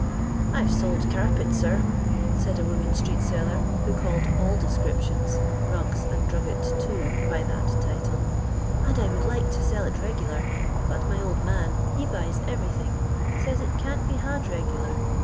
" I 've sold carpet, sir," said a woman street seller, who called all descriptions — rugs and drugget too — by that title ;" and I would like to sell it regular, but my old man — he buys every thing— says it can't be had regular.